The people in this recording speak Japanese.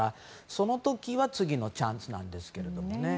その時が次のチャンスなんですけどね。